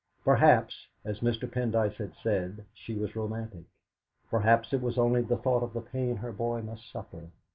Perhaps, as Mr. Pendyce had said, she was romantic; perhaps it was only the thought of the pain her boy must suffer.